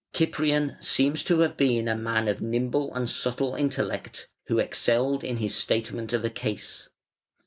Cyprian seems to have been a man of nimble and subtle intellect, who excelled in his statement of a case.